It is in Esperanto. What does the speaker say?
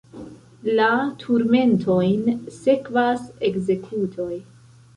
La turmentojn sekvas ekzekutoj.